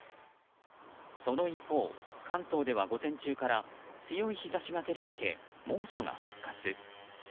その一方、関東では午前中から強い日差しが照り付け猛暑が復活。